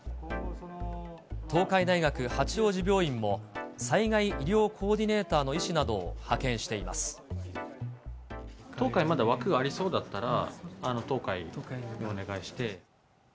東海大学八王子病院も、災害医療コーディネーターの医師などを派東海、まだ枠がありそうだったら、東海にお願いして。